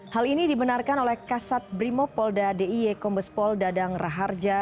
hal ini dibenarkan oleh kasat brimopolda d i e kombespol dadang raharja